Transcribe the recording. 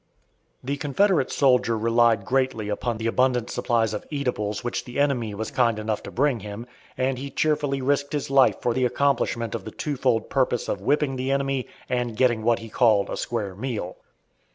The Confederate soldier relied greatly upon the abundant supplies of eatables which the enemy was kind enough to bring him, and he cheerfully risked his life for the accomplishment of the twofold purpose of whipping the enemy and getting what he called "a square meal."